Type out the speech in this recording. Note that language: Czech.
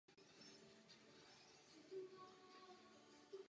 Potřebujeme také politiku, která přijde s reálným řešením problému výmětů.